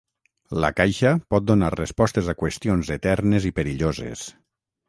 La caixa pot donar respostes a qüestions eternes i perilloses.